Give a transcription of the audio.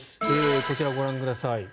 こちらをご覧ください。